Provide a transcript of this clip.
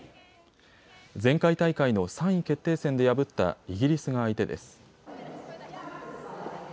前回大会の３位決定戦で破ったイギリスが相手です。